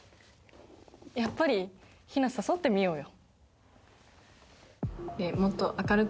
やっぱりヒナ、誘ってみようよ。